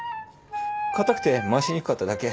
固くて回しにくかっただけ。